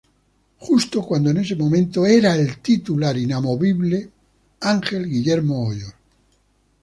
Justo cuando en ese momento era titular inamovible para Ángel Guillermo Hoyos.